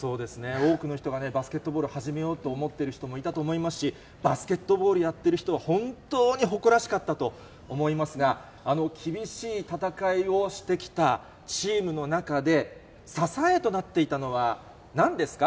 多くの人がバスケットボール始めようと思っている人いたと思いますし、バスケットボールやってる人は本当に誇らしかったと思いますが、あの厳しい戦いをしてきたチームの中で、支えとなっていたのは、なんですか？